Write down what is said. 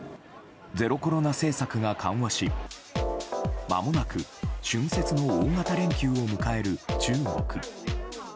ゼロコロナ政策が緩和しまもなく春節の大型連休を迎える中国。